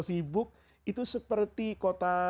sibuk itu seperti kota